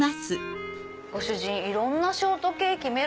ご主人いろんなショートケーキ！